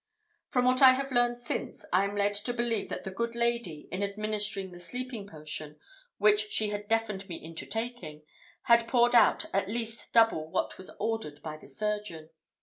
From what I have learned since, I am led to believe that the good lady, in administering the sleeping potion, which she had deafened me into taking, had poured out at least double what was ordered by the surgeon.